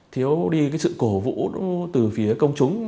thiếu đi cái sự cổ vũ từ phía công chúng